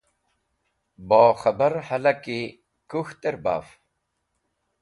Bok̃hẽbar hẽlaki kũk̃htẽr baf.